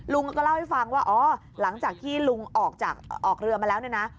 ลุงก็เล่าให้ฟังว่าอ๋อหลังจากที่ลุงออกจากออกเรือมาแล้วเนี่ยนะ